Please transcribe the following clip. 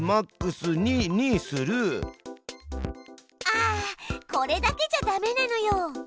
あこれだけじゃダメなのよ。